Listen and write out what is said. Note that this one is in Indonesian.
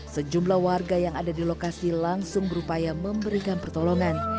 sejumlah warga yang ada di lokasi langsung berupaya memberikan pertolongan